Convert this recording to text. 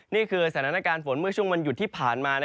นี่คือสารงานการฝนช่วงวลยุคที่ผ่านมา